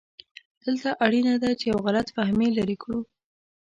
دلته اړینه ده چې یو غلط فهمي لرې کړو.